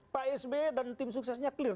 pak sbe dan tim suksesnya clear